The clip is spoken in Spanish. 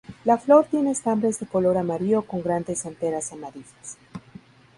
La flor tiene estambres de color amarillo con grandes anteras amarillas.